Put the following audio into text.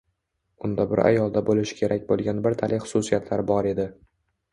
Unda bir ayolda bo'lishi kerak bo'lgan bir talay xususiyatlar bor edi.